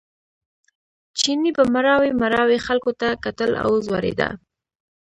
چیني به مړاوي مړاوي خلکو ته کتل او ځورېده.